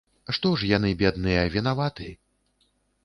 Што ж яны, бедныя, вінаваты?